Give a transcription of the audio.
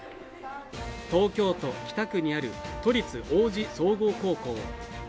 東京都北区にある都立王子総合高校。